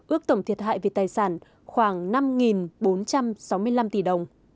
ước tổng thiệt hại về tài sản khoảng năm bốn trăm sáu mươi năm tỷ đồng